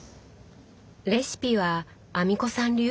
レシピは阿美子さん流？